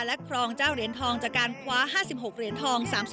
และครองเจ้าเหรียญทองจากการคว้า๕๖เหรียญทอง๓๐